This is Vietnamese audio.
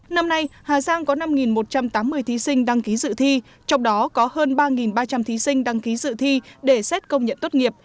năm nay hà giang có năm một trăm tám mươi thí sinh đăng ký dự thi trong đó có hơn ba ba trăm linh thí sinh đăng ký dự thi để xét công nhận tốt nghiệp